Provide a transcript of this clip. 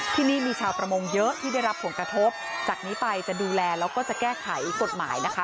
ที่นี่มีชาวประมงเยอะที่ได้รับผลกระทบจากนี้ไปจะดูแลแล้วก็จะแก้ไขกฎหมายนะคะ